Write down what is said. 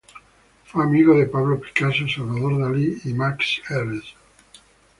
Fue amigo de Pablo Picasso, Salvador Dalí y Max Ernst.